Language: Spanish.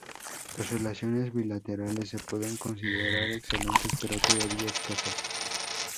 Las relaciones bilaterales se pueden considerar excelentes pero todavía escasas.